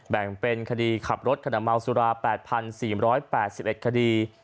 แบ่งเป็นคดีขับรถขณะเมาสุรา๘๔๘๑คดี